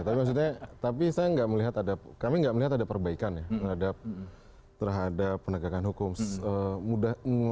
tapi saya tidak melihat ada kami tidak melihat ada perbaikan ya terhadap penegakan hukum